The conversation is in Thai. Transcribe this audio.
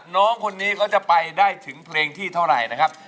น้องคนนี้เขาจะไปได้ถึงเพลงที่เท่าไหร่นะครับ